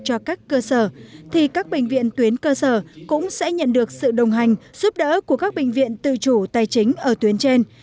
cho các cơ sở thì các bệnh viện tuyến cơ sở cũng sẽ nhận được sự đồng hành giúp đỡ của các bệnh viện tư chủ tài chính ở tuyến trên